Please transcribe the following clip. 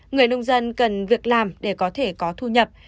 người nông dân cần việc làm để có thể có thu nhập